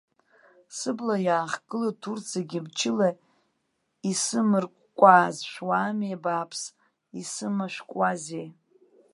Сыбла иаахгылоит урҭ зегьы мчыла исымыркәкәааз, шәуаами, абааԥс, исымашәкузеи?